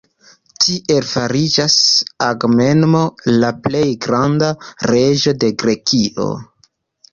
Tiel fariĝas Agamemno la plej granda reĝo de Grekio.